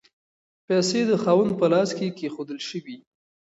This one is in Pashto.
پیسې د خاوند په لاس کې کیښودل شوې.